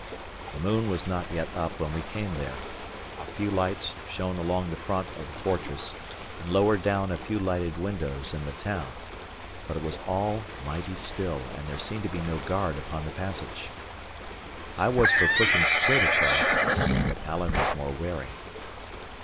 The moon was not yet up when we came there; a few lights shone along the front of the fortress, and lower down a few lighted windows in the town; but it was all mighty still, and there seemed to be no guard upon the passage. I was for pushing straight across; but Alan was more wary.